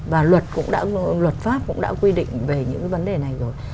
và luật cũng đã luật pháp cũng đã quy định về những cái vấn đề này rồi